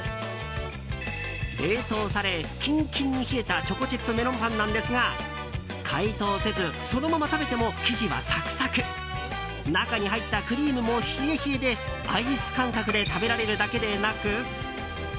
冷凍され、キンキンに冷えたチョコチップメロンパンなんですが解凍せず、そのまま食べても生地はサクサク中に入ったクリームも冷え冷えでアイス感覚で食べられるだけでなく。